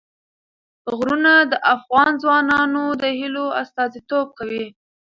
غرونه د افغان ځوانانو د هیلو استازیتوب کوي.